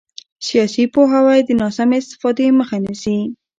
سیاسي پوهاوی د ناسمې استفادې مخه نیسي